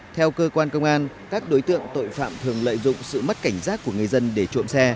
theo cơ quan công an các đối tượng tội phạm thường lợi dụng sự mất cảnh giác của người dân để trộm xe